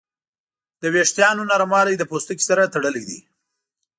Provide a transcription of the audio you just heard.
د وېښتیانو نرموالی د پوستکي سره تړلی دی.